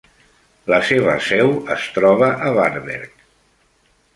La seva seu es troba a Varberg.